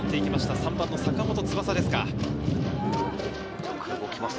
３番の坂本翼ですか。